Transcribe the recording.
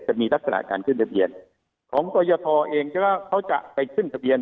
จะมีลักษณะการขึ้นทะเบียนของกรยทเองใช่ไหมเขาจะไปขึ้นทะเบียน